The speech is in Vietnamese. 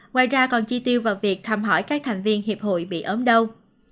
ngoài ra còn chi tiêu vào việc thăm hỏi các thành viên hiệp hội bị ốm đau